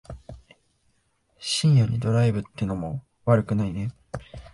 深夜にドライブってのも悪くないね。